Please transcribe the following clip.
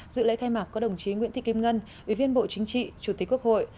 dự lễ khai mạc có đồng chí nguyễn thị kim ngân ủy viên bộ chính trị chủ tịch quốc hội